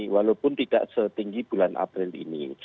walaupun tidak setinggi bulan april ini